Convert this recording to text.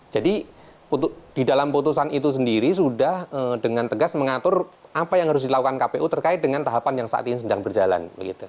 jadi di dalam putusan itu sendiri sudah dengan tegas mengatur apa yang harus dilakukan kpu terkait dengan tahapan yang saat ini sedang berjalan